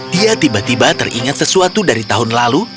dia tiba tiba teringat sesuatu dari tahun lalu